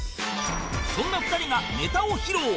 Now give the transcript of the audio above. そんな２人がネタを披露